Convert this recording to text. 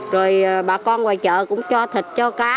rồi bà con ngoài chợ cũng cho thịt cho cá